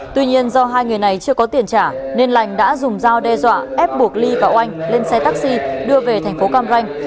tuy nhiên do hai người này chưa có tiền trả nên lành đã dùng dao đe dọa ép buộc ly và oanh lên xe taxi đưa về thành phố cam ranh